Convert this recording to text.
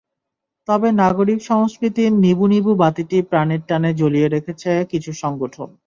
তবে নাগরিক সংস্কৃতির নিবুনিবু বাতিটি প্রাণের টানে জ্বালিয়ে রেখেছে কিছু সংগঠন।